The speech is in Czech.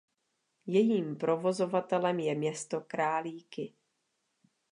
Jejím provozovatelem je Město Králíky.